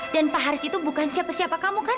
dan pak haris itu bukan siapa siapa kamu kan